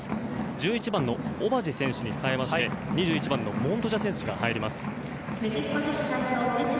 １１番のオバジェ選手に代えて２１番のモントジャ選手が入ります。